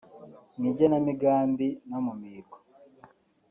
mu igenamigambi no mu mihigo